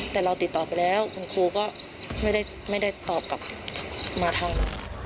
แต่เราติดต่อไปแล้วคุณครูก็ไม่ได้ตอบกลับมาทาง